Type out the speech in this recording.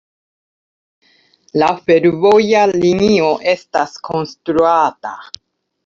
La fervoja linio estas konstruata.